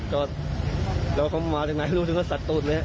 จอดแล้วเขามาที่ไหนรู้ถึงว่าสัตว์ตูดนี่